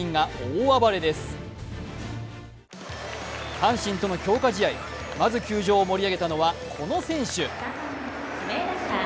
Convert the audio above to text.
阪神との強化試合、まず球場を盛り上げたのはこの選手。